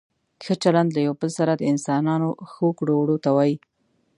ښه چلند له یو بل سره د انسانانو ښو کړو وړو ته وايي.